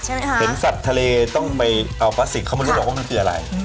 เห็นสัตว์ทะเลต้องไปเอาพลาสติกเข้ามาดูว่ามันเป็นอะไร